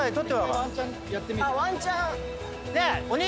１回ワンチャンやってみる？